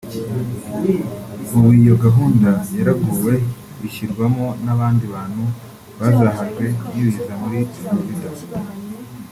ubu iyo gahunda yaraguwe ishyirwamo n’abandi bantu bazahajwe n’ibiza muri Florida